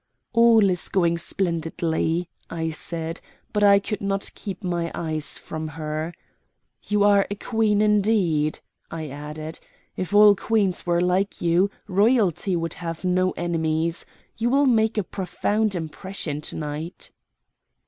"All is going splendidly," I said; but I could not keep my eyes from her. "You are a Queen indeed," I added. "If all Queens were like you, royalty would have no enemies. You will make a profound impression to night."